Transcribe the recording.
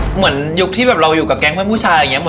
เหมือนยุคที่แบบเราอยู่กับแก๊งเพื่อนผู้ชายอะไรอย่างนี้